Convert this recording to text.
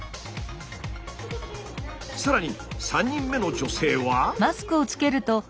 更に３人目の女性は。